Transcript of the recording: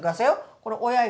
これ親指